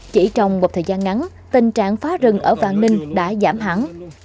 chỉ trong một thời gian ngắn tình trạng phá rừng ở vạn ninh đã giảm hẳn